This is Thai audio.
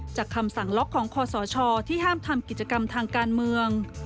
คำสั่งล็อกของคอสชที่ห้ามทำกิจกรรมทางการเมือง